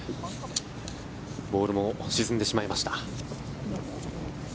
ボールも沈んでしまいました。